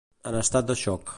En estat de xoc.